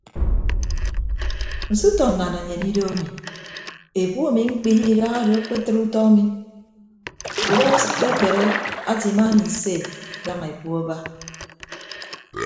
Nso utọ nnanenyen ido ami ekpu ami mkpiye idahado akpetịd utọ ami udọ asịkke akpere ate imaana ise daña ekpu aba.